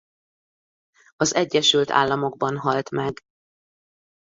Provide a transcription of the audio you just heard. Az Egyesült Államokban halt meg.